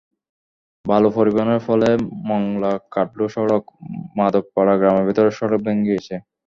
বালু পরিবহনের ফলে মংলা-কাটলা সড়ক, মাধবপাড়া গ্রামের ভেতরের সড়ক ভেঙে গেছে।